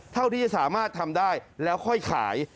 เท่าที่จะสามารถทำได้แล้วค่อยขาย